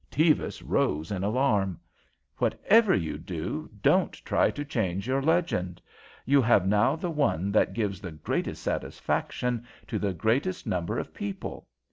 Tevis rose in alarm. "Whatever you do, don't try to change your legend. You have now the one that gives the greatest satisfaction to the greatest number of people.